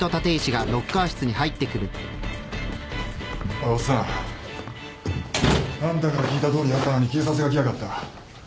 おいおっさんあんたから聞いたとおりやったのに警察が来やがった。